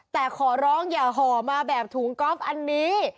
แต่ขอร้องอย่าห่อมาแบบถุงก๊อฟอันนี้